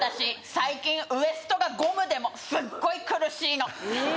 最近ウエストがゴムでもすっごい苦しいのええー